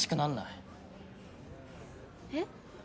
えっ？